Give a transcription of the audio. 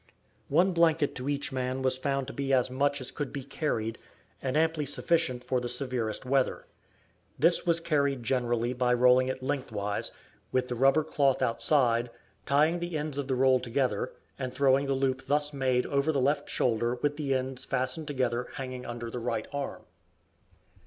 One blanket to each man was found to be as much as could be carried, and amply sufficient for the severest weather. This was carried generally by rolling it lengthwise, with the rubber cloth outside, tying the ends of the roll together, and throwing the loop thus made over the left shoulder with the ends fastened together hanging under the right arm.